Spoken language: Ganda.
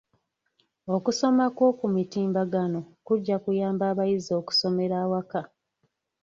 Okusoma kw'oku mutimbagano kujja kuyamba abayizi okusomera awaka.